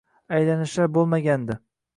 Aylanishlar bo`lmagandi